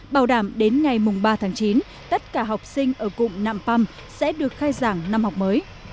bảo đảm đến ngày mùng ba tháng chín tất cả học sinh ở cụm nạm păm sẽ được khai giảng năm học mới